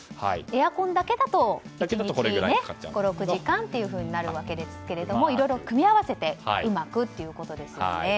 エアコンだけだと５６時間ということになるわけですがいろいろ組み合わせてうまくということですよね。